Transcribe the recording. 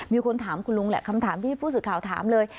มีคนถามคุณลุงแหละคำถามที่ผู้สื่อข่าวถามเลย